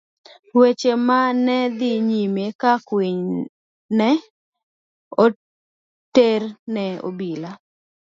Weche ma ne dhi nyime ka kwinyno ne oter ne obila.